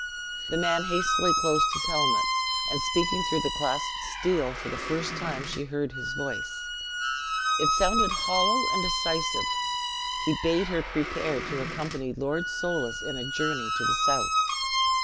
The man hastily closed his helmet, and, speaking through the clasped steel, for the first time she heard his voice; it sounded, hollow and decisive; he bade her prepare to accompany Lord Soulis in a journey to the south.